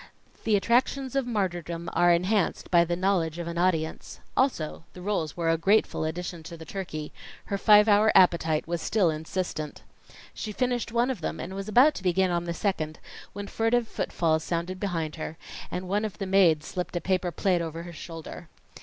The attractions of martyrdom are enhanced by the knowledge of an audience. Also, the rolls were a grateful addition to the turkey; her five hour appetite was still insistent. She finished one of them and was about to begin on the second, when furtive footfalls sounded behind her, and one of the maids slipped a paper plate over her shoulder.